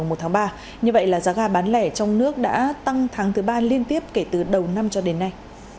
như vậy là giá ga bán lẻ trong nước đã tăng tháng thứ ba liên tiếp kể từ đầu năm cho đến nay